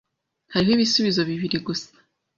Hariho ibisubizo bibiri gusa.